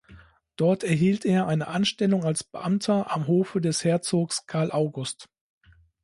Dort erhielt er eine Anstellung als Beamter am Hofe des Herzogs Carl August.